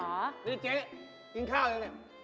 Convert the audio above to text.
นี่เจ๊กินข้าวแล้วเนี่ย